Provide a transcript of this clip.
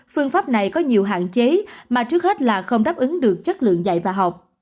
phương pháp này có nhiều hạn chế mà trước hết là không đáp ứng được chất lượng dạy và học